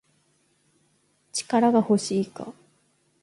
力が欲しいか